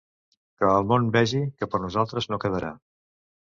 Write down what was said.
Que el món vegi que per nosaltres no quedarà.